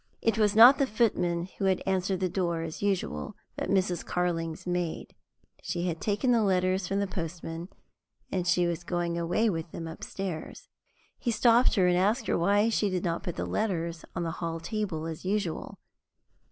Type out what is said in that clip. It was not the footman who had answered the door, as usual, but Mrs. Carling's maid. She had taken the letters from the postman, and she was going away with them upstairs. He stopped her, and asked her why she did not put the letters on the hall table as usual.